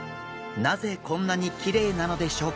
なぜこんなにきれいなのでしょうか？